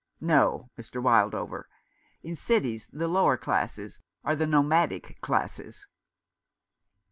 " No, Mr. Wildover ; in cities the lower classes are the nomadic classes."